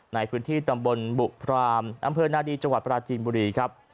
ในพื้นที่ตำบลบุพรามอำเภอนาดีจังหวัดปราจีนบุรีครับ